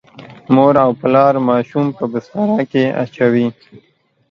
مور او پلار ماشوم په بستره کې اچوي.